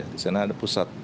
di sana ada pusat